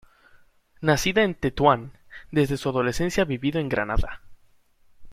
Nacida en Tetuán, desde su adolescencia ha vivido en Granada.